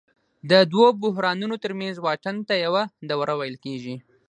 د دوو بحرانونو ترمنځ واټن ته یوه دوره ویل کېږي